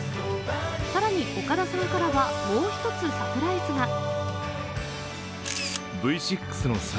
更に岡田さんからはもう一つサプライズが。